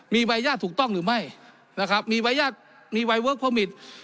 มีใบญาติถูกต้องหรือไม่นะครับมีใบญาติมีวัยเวิร์คพอมิต